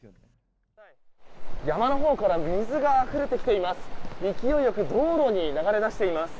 山のほうから水があふれてきています。